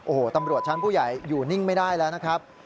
โอ้โหตำรวจชั้นผู้ใหญ่อยู่นิ่งไม่ได้แล้วนะครับ